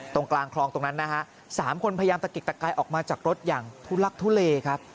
ตรงกลางคลองตรงนั้นนะฮะสามคนพยายามตะกิกตะกายออกมาจากรถอย่างทุลักทุเลครับ